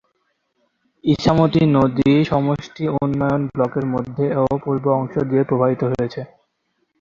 ইছামতি নদী সমষ্টি উন্নয়ন ব্লকের মধ্য ও পূর্ব অংশ দিয়ে প্রবাহিত হয়েছে।